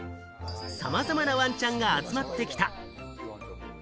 さまざまな、わんちゃんが集まってきた。